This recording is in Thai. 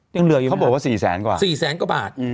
ยังเหลืออยู่ไหมครับเขาบอกว่า๔๐๐๐๐๐กว่าสี่แสนกว่าบาท